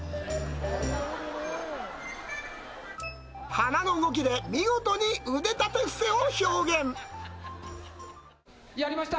鼻の動きで見事に腕立て伏せやりました。